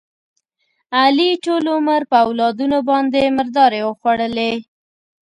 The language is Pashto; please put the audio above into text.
علي ټول عمر په اولادونو باندې مردارې وخوړلې.